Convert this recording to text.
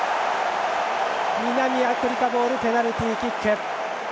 南アフリカボールペナルティーキック。